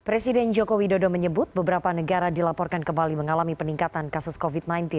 presiden joko widodo menyebut beberapa negara dilaporkan kembali mengalami peningkatan kasus covid sembilan belas